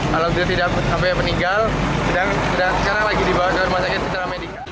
kalau tidak sampai meninggal dan sekarang lagi dibawa ke rumah sakit secara medikal